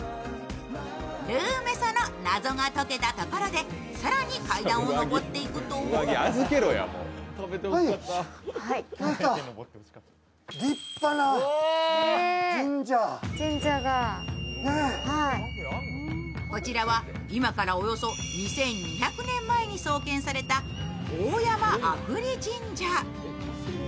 ルーメソの謎が解けたところで更に階段を上っていくとこちらは今からおよそ２２００年前に創建された大山阿夫利神社。